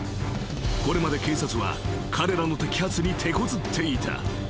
［これまで警察は彼らの摘発にてこずっていた］